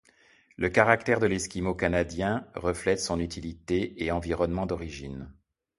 Le caractère de l'Esquimau Canadien reflète son utilité et environnement d'origine.